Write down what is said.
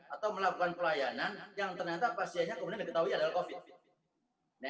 atau melakukan pelayanan yang ternyata pasiennya kemudian diketahui adalah covid